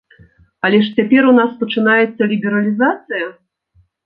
Але ж цяпер у нас пачынаецца лібералізацыя?